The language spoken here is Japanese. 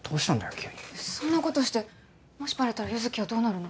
急にそんなことしてもしバレたら優月はどうなるの？